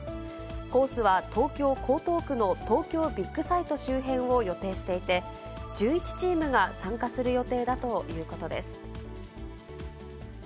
コースは東京・江東区の東京ビッグサイト周辺を予定していて、１１チームが参加する予定だということです。